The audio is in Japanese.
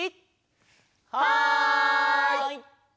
はい！